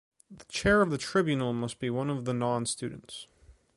The chair of the Tribunal must be one of the non-students.